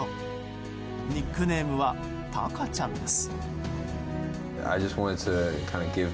ニックネームは鷹ちゃんです。